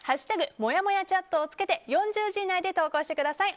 「＃もやもやチャット」をつけて４０文字以内で投稿してください。